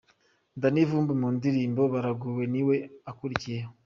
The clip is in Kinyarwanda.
Danny Vumbi mu ndirimbo ’Baragowe’ ni we ukurikiyeho.